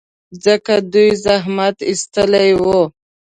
ځکه دوی زحمت ایستلی و.